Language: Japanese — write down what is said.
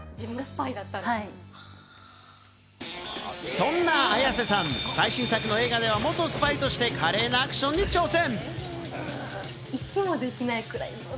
そんな綾瀬さん、最新作の映画では元スパイとして華麗なアクションに挑戦。